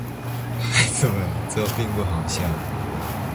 孩子们，这并不好笑。